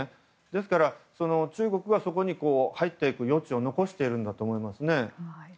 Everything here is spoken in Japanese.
ですから、中国がそこに入っていく余地を残しているんだと思いますね。